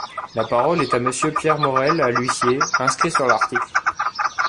La parole est à Monsieur Pierre Morel-A-L’Huissier, inscrit sur l’article.